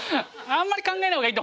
あんま考えない方がいい？